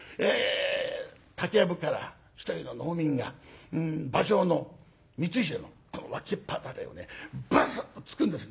竹やぶから一人の農民が馬上の光秀の脇っ腹辺りをねブスッと突くんですね。